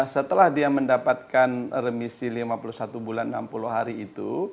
setelah dia mendapatkan remisi lima puluh satu bulan enam puluh hari itu